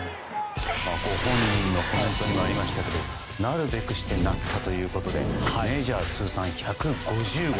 本人のコメントにもありましたがなるべくしてなったということでメジャー通算１５０号。